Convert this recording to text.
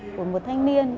của một thanh niên